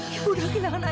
semuanya meng minhank